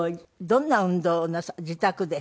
どんな運動を自宅で？